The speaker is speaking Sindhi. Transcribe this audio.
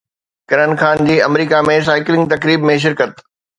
ڪرن خان جي آمريڪا ۾ سائيڪلنگ تقريب ۾ شرڪت